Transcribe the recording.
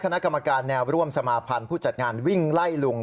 คณะกรรมการแนวร่วมสมาพันธ์ผู้จัดงานวิ่งไล่ลุง